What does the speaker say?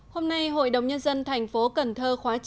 hôm nay hội đồng nhân dân thành phố cần thơ khóa chín